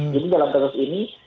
jadi dalam konteks ini